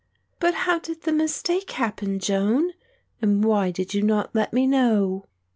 "But how did the mistake happen, Joan, and why did you not let me know?"